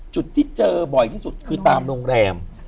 จุดที่เจอบ่อยที่สุดคือตามโรงแรม